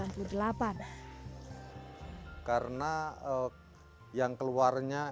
karena yang keluarnya